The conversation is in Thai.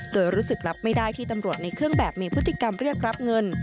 โดยรู้สึกรับไม่ได้ที่ตำรวจในเครื่องแบบมีพฤติกรรมเรียกรับเงิน